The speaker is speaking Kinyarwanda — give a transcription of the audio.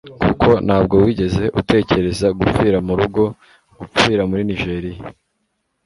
kuko ntabwo wigeze utekereza gupfira murugo, gupfira muri nijeriya